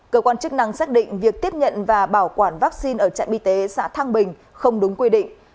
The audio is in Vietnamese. cơ quan chức năng xác định việc tiếp nhận và bảo quản vaccine ở trạm y tế xã thang bình không đúng quy định